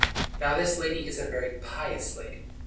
Now, this lady is a very pious lady.